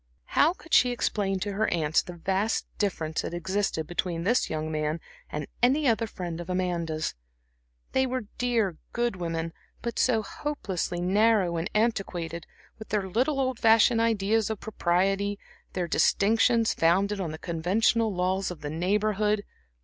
How could she explain to her aunts the vast difference that existed between this young man and any other friend of Amanda's? They were dear, good women, but so hopelessly narrow and antiquated, with their little old fashioned ideas of propriety, their distinctions founded on the conventional laws of the Neighborhood.